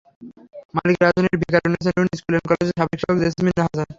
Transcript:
মালিক রাজধানীর Viqarunnisa Noon school and কলেজের সাবেক শিক্ষক জেসমিন হাসান।